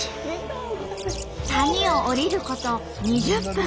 谷を下りること２０分。